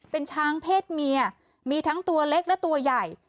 เป็นช้างเพศเมียมีทั้งตัวเล็กและตัวใหญ่